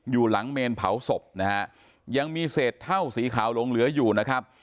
อยู่หลังเมนเผาศพนะฮะยังมีเศษเท่าสีขาวหลงเหลืออยู่นะครับ